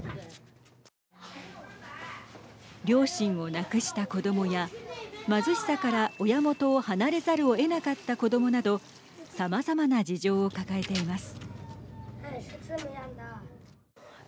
両親を亡くした子どもや貧しさから、親元を離れざるをえなかった子どもなどさまざまな事情を抱えています。